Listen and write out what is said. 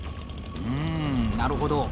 うーん、なるほど。